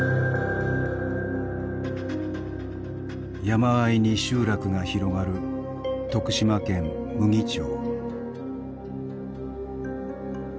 山あいに集落が広がる徳島県牟岐町。